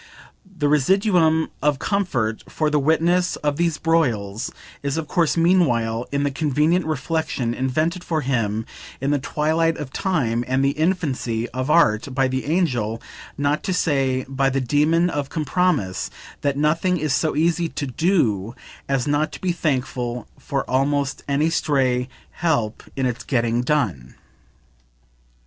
The residuum of comfort for the witness of these broils is of course meanwhile in the convenient reflexion, invented for him in the twilight of time and the infancy of art by the Angel, not to say by the Demon, of Compromise, that nothing is so easy to "do" as not to be thankful for almost any stray help in its getting done.